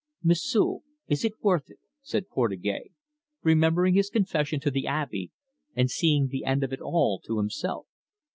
"M'sieu', is it worth it?" said Portugais, remembering his confession to the Abbe, and seeing the end of it all to himself.